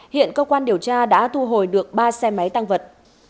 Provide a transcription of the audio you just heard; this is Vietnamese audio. hiện cơ quan điều tra đã thu hồi được ba xe máy tăng vật